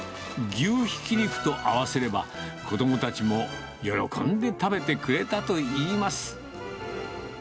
牛ひき肉と合わせれば、子どもたちも喜んで食べてくれたと言います。